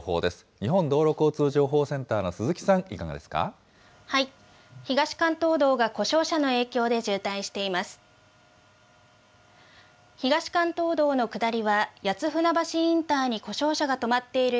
日本道路交通情報センターの鈴木東関東道が故障車の影響で渋滞しています。